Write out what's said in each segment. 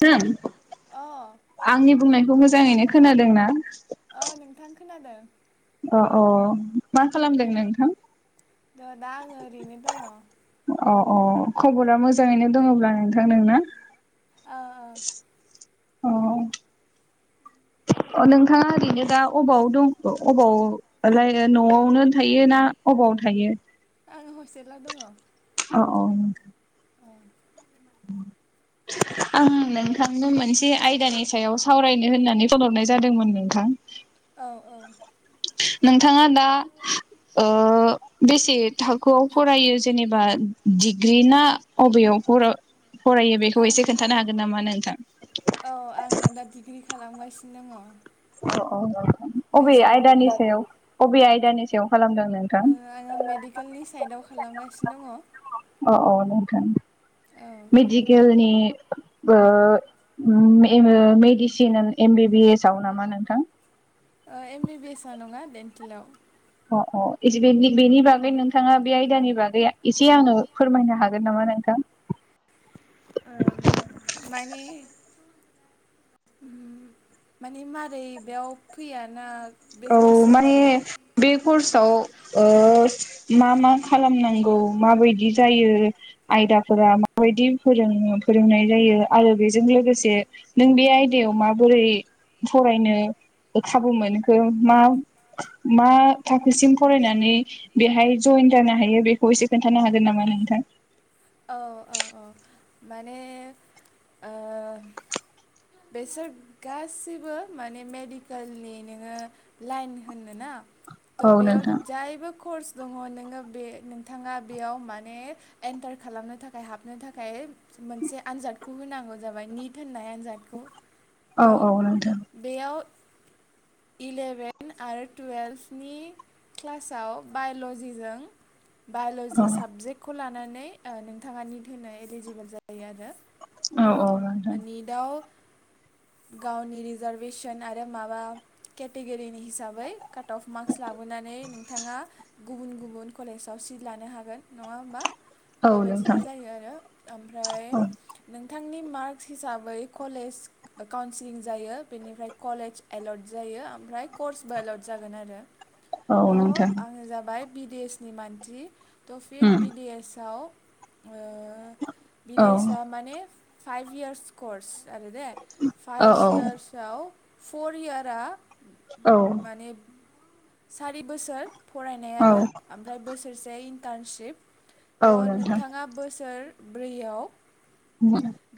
[unintelligible] अ आंनि बुंनायखौ मोजाङैनो खोनादोंना? औ नोंथां खोनादों अ आं मा खालामदों नोंथां? थ दा आङो ओरैनो दङ अ अ खबरा मोजाङैनो दङब्ला नोंथां नोंना? ओ ओ अ नोंथाङा ओरैनो दा अबाव दं अबावलाय न'आवनो थायो ना? अबाव थायो? आं हस्टेलाव दङ अ औ आं नोंथांनो मोनसे आयदानि सायावसो सावरायनो होननानै फन हरनाय जादोंमोन नोंथां औ औ नोंथाङा दा ओ बेसे थाखोआव फरायो जेनेबा डिग्रि ना अबेयाव फरायो बेखौ एसे आङो खोन्थानो हागोन नामा नोंथां? औ आङो दा डिग्रि खालामगासिनो दङ अ अ अबे बेचलार आयदानि डिग्रि सायाव अबे आयदानि सायाव खालामदों नोंथां ओ आङो मेडिकेलनि साइदाव खालामगासिनो दङ औ औ नोंथां मेडिकेलनि बो ओम medicine M B B S आव नामा नोंथां? O M B B S आव नङा डेन्टेलाव अ अ बेनि बागै नोंथाङा बे आयदानि बागै एसे आंनो फोरमायनो हागोन नामा नोंथां? [inaudible] ओ मानि ओम माने मारै बेयाव फैयाना बे औ कर्सनि माने बारायाव बे कर्सआव ओ मा मा खालामनांगौ माबायदि जायो आयदाफोरा माबायदि फोरों फोरोंनाय जायो आरो बेजों लोगोसे नों बे आयदायाव माबोरै फरायनो खाबु मोनखो मा मा थाखोसिम फरायनानै बेहाय जयेन जानो हायो बेखौ एसे खोन्थानो हागोन नामा? नोंथां औ औ औ माने ओ बेसोर गासिबो माने मेडिकेलनि नोङो लाइन होननो ना औ त' बेयाव नोंथां जायबो कर्स दङ नोङो बे नोंथाङा बेयाव माने एन्टार खालामनो थाखाय हाबनो थाखाय मोनसे आनजादखौ होनांगौ जाबाय निट होननाय आनजादखौ औ त' औ नोंथां बेयाव [inaudible] इलेभेन आरो टुवेल्भनि क्लासाव बायल'जिजों बाय'ल'जि औ साबजेक्टखौ लानानै ओ नोंथाङा निट होनो एलिजिबोल जायो आरो। औ औ नोंथां निटयाव गावनि रिजार्भेसन आरो माबा केटेगरिनि हिसाबै काट अफ मार्कस लाबोनानै नोंथाङा गुबुन गुबुन कलेजाव सित लानो हागोन। नङा होमबा औ बेबायदिनो नोंथां जायो आरो ओमफ्राय औ नोंथांनि मार्क हिसाबै कलेज काउन्सिलिं जायो बेनिफ्राय कलेज एल'ट जायो ओमफ्राय कर्सबो एलउट जागोन आरो। औ नोंथां। बिदेएसनि मानसि थ' फिर उम बिदेसयाव ओ औ बिदिएसया माने फाइभ इयार्स कर्स। आरो दे औ फाइभस इयार्सआव फर इयारा औ माने सारि बोसोर फरायनाय औ आरो ओमफ्राय बोसोरसे इन्टार्नसिप औ थ' नोंथां नोंथाङा बोसोरब्रैयाव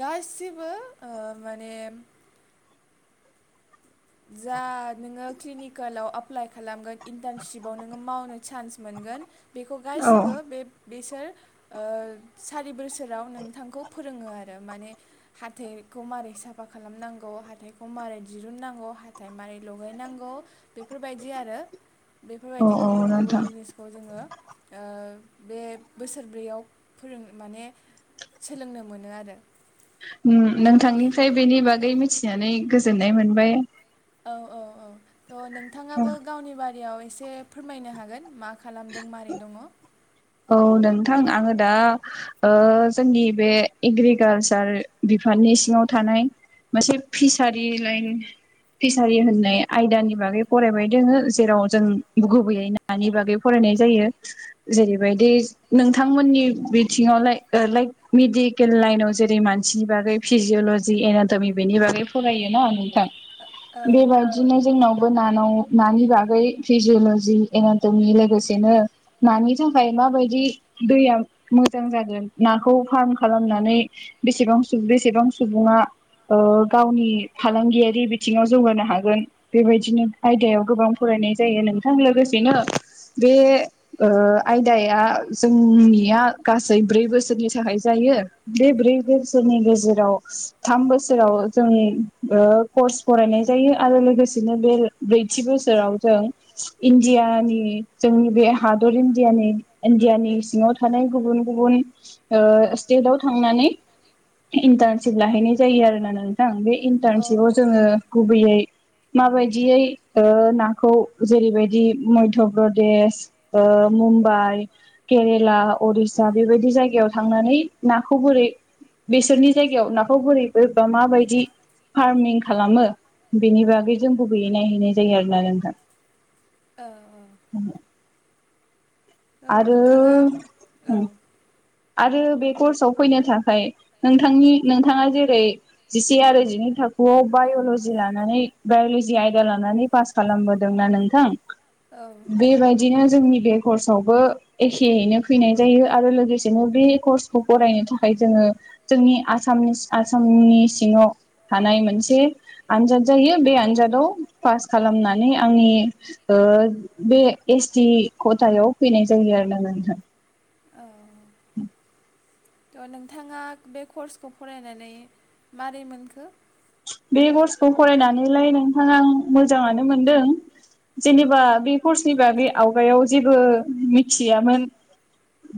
गासिबो ओ माने जा नोङो क्लिनिकेलाव एप्लाइ खालामगोन इन्टार्नशपाव नोङो मावनो चान्स मोनगोन बेखौ औ गासिबो बे बेसोर ओ सारि बोसोराव नोंथांखौ फोरोङो आरो माने हाथे खौ मारै साफा खालामनांगौ हाथायखौ मारै दिरुननांगौ हाथाय मारै लगायनांगौ बेफोरबायदि आरो। औ बेफोरबायदि गुबुन नोंथां गुबुन जिनिसखौ जोङो ओ बे बोसोरब्रैयाव फोरों माने सोलोंनो मोनो आरो। नों थ' नोंथांनिफ्राय बेनि बागै मिथिनानै गोजोननाय मोनबाय। औ औ औ थ' नोंथाङाबो गावनि बारियाव एसे फोरमायनो हागोन मा खालामदों मारै दङ। औ नोंथां आङो दा ओ जोंनि बे एग्रिकालसार दिफार्टमेन्तनि सिङाव थानाय मोनसे फिसारि लाइन फिसारि होननाय आयदानि बागै फरायबाय दोङो जेराव जों गुबैयै नानि बागै फरायबाय। नाय जायो जेरै बायदि नोंथांमोननि बिथिंआव लाइ लाइक मेडिकेल लाइनाव जेरै मानसिनि बा फिजिअल'जि एनाटमि बेनि बागै फरायो ना नोंथां बेबायदिनो जोंनाव बो नानाव नानि बागै फिजल'जि एनाटमि लोगोसेनो नानि जोंनिफ्राय माबायदि दैया मोजां जागोन नाखौ फार्म खालामनानै बेसेबां बेसेबां सुबुङा ओ गावनि फालांगियारि बिथिङाव जौगानो हागोन बेबायदिनो आयदायाव गोबां फराय नायनाय जायो नोंथां लोगोसेनो बे ओ आयदाया जोंनिया गासै ब्रै बोसोरनि थाखाय जायो बे ब्रै बोसोर गेजेराव थाम बोसोराव जों कर्स फरायनाय जायो आरो लोगोसे नो बेर ब्रैथि बोसोराव जों इण्डियानि जोंनि बे हादरिनि इणडिया नि इण्डियानि सिङाव थानाय गुबुन गुबुन ओ स्टेटाव थांनानै इन्टार्नशिप लाहैनाय जायो आरो ना नोंथां बे औ इन्टारनशिपाव जोङो गुबैयै माबायदियै ओ नाखौ जेरैबायदि मध्य प्रदेश ओ मुम्बाइ केरेला उरिस्सा बेबायदि जायगायाव थांनानै नाखौ बोरै बेसोरनि जायगायाव नाखौ बोरैबोबा माबायदि फार्मिं खालामो बेनि बागै जों बबेयै नायहैनाय जायो आरोना नोंथां। औ औ औ आरो नोंथाङा औ उम आरो बे कर्सआव फैनो थाखाय नोंथांनि नोंथाङा जेरै जिसे आरो जिनै थाखोआव बायलजि लानानै बायल'जि आयदा लानानै पास खालामबोदोंना नोंथां औ बेबायदिनो जोंनि बे कर्सआवबो एखेयैनो फैनाय जायो आरो लोगोसे बिदिनो बे कर्सखौ फरायनो थाखाय जोंङो जोंनि आसामनि आसामनि सिङाव थानाय मोनसे आनजाद जायो बे आनजादाव पास खालामनानै आंनि ओ बे एसटि खथायाव फैनाय जायो आरो ना नोंथां औ ओम थ' नोंथाङा बे कर्सखौ फरायनानै मारै मोनखो? बे कर्सखौ फरायनानैलाय नोंथां आं मोजाङानो मोनदों जेनेबा बे कर्सनि बागै आवगायाव जेबो मिथियामोन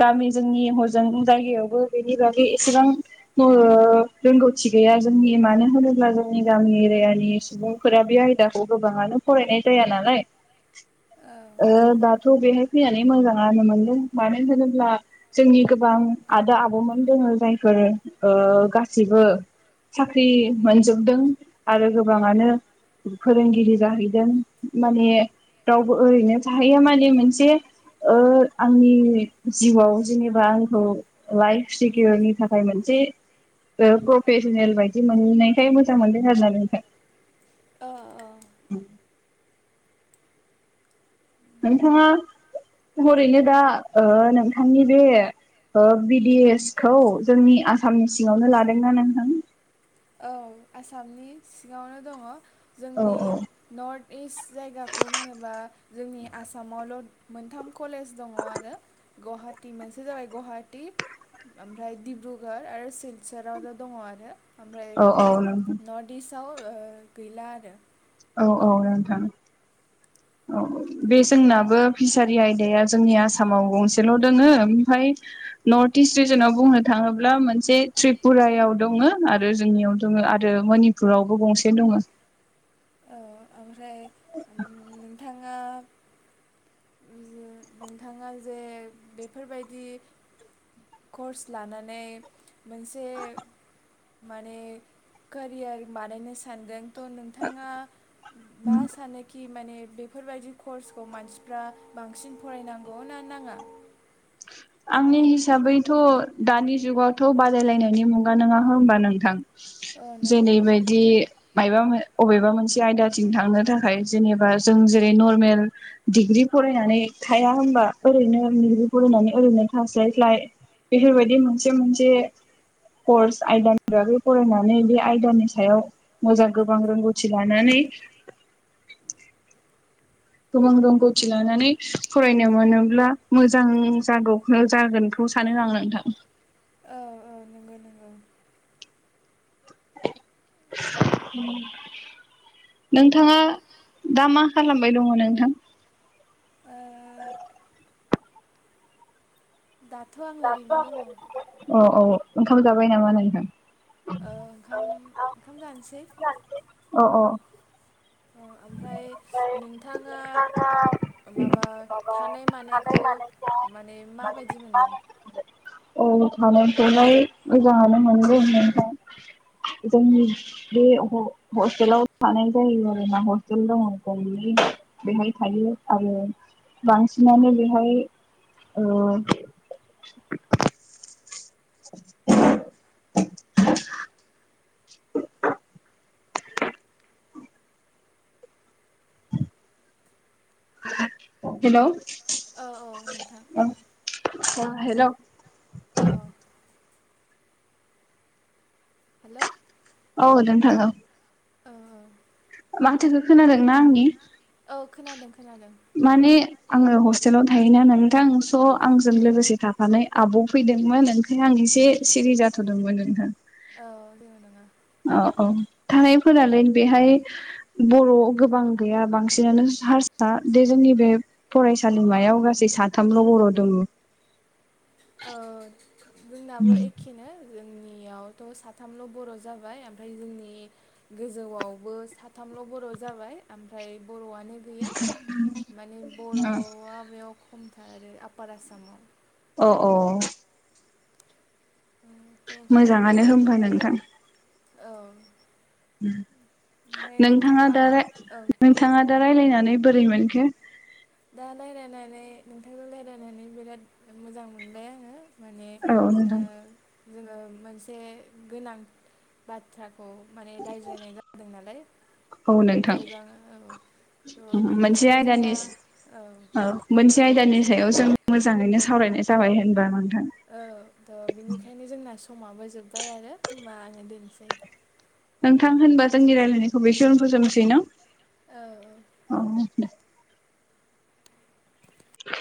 गामि जोंनि हजों जायगायावबो बेनि बागै एसेबां रोंगौ थि गैया जोंनि मानो मानो होनोब्ला जोंनि गामि एरियानि सुबुंफोरा बे आयदाखौ गोबाङानो फरायनाय जाया नालाय औ [inaudible] दाथ' बेहाय फैनानै मोजाङानो मोनदों मानो होनोब्ला जोंनि गोबां आदा आबौमोन दोङो जायफोर गासिबो साख्रि मोनजोबदों आरो गोबाङानो फोरोंगिरि जाहैदों माने रावबो ओरैनो थाहैया माने मोनसे आंनि जिउआव जेनेबा आंखौ लाइफ सिकिअरनि थाखाय मोनसे थि प्रफेसनेल बायदि मोनहैनायखाय मोजां मोनदों आरो ना नोंथां औ औ नोंथाङा हरैनो दा नोंथांनि बे बिडि एस खौ जोंनि आसामनि सिङावनो लादोंना नोंथां औ आसामनि सिगावनो दङ औ जोंनि नर्थ इस्ट जायगाखौ होनोबा जोंनि आसामावल' मोनथाम कलेज दङ आरो गुवाहाटी मोनसे जाबाय गुवाहाटी ओमफ्राय डिब्रुगर आरो सिलसराव' दङ आरो ओमफ्राय औ औ नोंथां नर्थ इस्टआव गैला आरो औ औ नोंथां औ बे जोंनाबो फिसारि आयदाया जोंनि आसामाव गंसेल' दोङो ओमफ्राय नर्थ इस्ट रिजनाव बुंनो थाङोब्ला मोनसे त्रिपुरायाव दङ आरो जोंनियाव दङ आरो मनिपुरावबो गंसे दङ औ ओमफ्राय नोंथाङा [inaudible] नोंथाङा जे बेफोरबायदि कर्स लानानै मोनसे माने कोरियार बानायनो सानदों थ' नोंथाङा मा सानोखि माने बेफोरबायदि कर्सखौ मानसिफ्रा बांसिन फरायनांगौ ना नाङा? [inaudible] आंनि हिसाबैथ' दानि जुगावथ' बादायलायनायनि मुगा नङा होमबा नोंथां? औ नंगौ जेरैबायदि मायबा मो अबेबा मोनसे आयदाथिं थांनो थाखाय जेनेबा जों जेरै नर्मेल डिग्रि फरायनानै थाया होनबा ओरैनो डग्रि फरायनानै ओरैनो थासलाइ लाइ बेफोरबायदि मोनसे मोनसे कर्स आयदानि बागै फरायनानै बे आयदानि सायाव मोजां गोबां रोंगौथि लानानै [inaudible] गोबां रोंगौथि लानानै फरायनो मोनोब्ला मोजां जागौ ओ जागोनखौ सानो आं नोंथां। औ औ नंगौ नंगौ उम। नोंथाङा दा मा खालामबाय दङ नोंथां? ओ दाथ' आं ओरैनो दङ। औ औ ओंखाम जाबाय नामा नोंथां? ओ ओंखाम ओंखाम जानोसै। ओंखाम जानोसै अ अ। ओ ओमफ्राय नोंथाङा माबा थानाय मानायखौ माने माबायदि मोनदों औ थानायानथलाय मोजाङानो मोनदों नोंथां जोंनि बे ह हस्टेलाव थानाय जायो जोंना हस्टेल दङ गंनै बेहाय थायो आरो बांसिनानो बेहाय ओ हेलौ औ औ नोंथां अ हेल' औ। हेल' औ नोंथां औ। ओ ओ माथोखो खोनादोंना आंनि औ खोनादों खोनादों माने आङो हस्टेलाव थायोना नोंथां स' आंजों औ लोगोसे थाफानाय आब' फैदोंमोन ओंखायनो आं एसे सिरि जाथ'दोंमोन नोंथां औ जेबो नङा औ औ थानायफोरालाय बेहाय ओह बर' गोबां गैया बांसिनानो हारसा बे जोंनि बे फरायसालिमायाव गासै साथामल' बर' दङ ओ जोंनाबो एखेनो आव थ' साथामल' बर' जाबाय ओमफाय जोंनि गोजौआव बो साथामल' बर' जा बाय ओमफ्राय बर'आनो गैया माने बर'आ बेयाव खमथार आरो आफपार आसामाव अ अ थ' बे मोजाङानो होमबा नोंथां औ नोंथाङा दा रा औ नोंथाङा दा रायलायनानै बोरैमोनखो दा रायज्लायनानै नोंथांजों रायज्लायनानै बिराद मोजां मोनबाय आङो माने औ ओ नोंथां जोङो मोनसे गोनां बाथ्रा खौ माने रायज्लायनाय जादों नालाय औ नोंथां गोजान औ थ' मोनसे बेनिखायनो जोंना आयदानि औ मोनसे आयदानि सायाव जों मोजाङैनो सावरायनाय जाबाय होनबा औ थ' बिनिखायनो जोंना समाबो जोब्बाय आरो होनबा आङो दोनसै। नोंथां होनबा जोंनि रायजलायनायखौ बेखिनियावनो फोजोबसै ना औ औ औ दे।